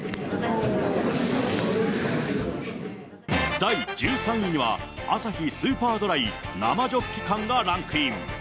第１３位にはアサヒスーパードライ生ジョッキ缶がランクイン。